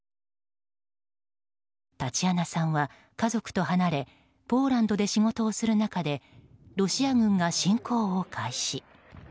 タチアナさんは家族と離れポーランドで仕事をする中でロシア軍が侵攻を開始。